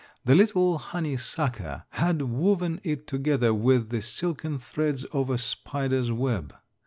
The little honey sucker had woven it together with the silken threads of a spider's web.